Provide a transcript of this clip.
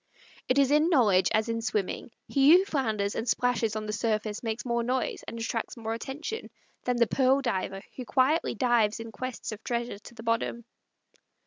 It is in knowledge as in swimming: he who flounders and splashes on the surface makes more noise, and attracts more attention, than the pearl diver who quietly dives in quest of treasures to the bottom.